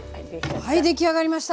はい出来上がりました。